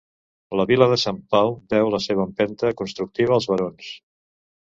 La Vila de Sant Pau deu la seva empenta constructiva als barons.